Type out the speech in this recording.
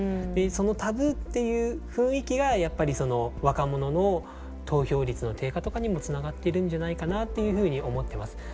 そのタブーっていう雰囲気がやっぱり若者の投票率の低下とかにもつながってるんじゃないかなっていうふうに思ってます。